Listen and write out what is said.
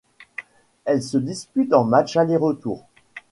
Elle se dispute en matchs aller-retour.